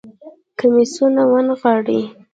کميسونه ونغاړه